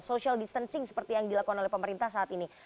social distancing seperti yang dilakukan oleh pemerintah saat ini